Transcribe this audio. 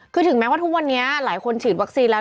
คือถึงแม้ว่าทุกวันนี้หลายคนฉีดวัคซีนแล้ว